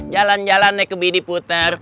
jalan jalan naik kebini puter